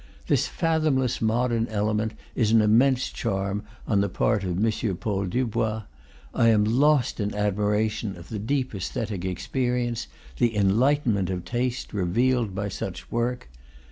This fathomless modern element is an immense charm on the part of M. Paul Dubois. I am lost in admiration of the deep aesthetic experience, the enlightenment of taste, re vealed by such work.